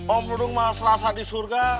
om nung mau selasa di surga